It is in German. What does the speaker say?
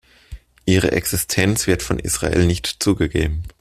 Ihre Existenz wird von Israel nicht zugegeben.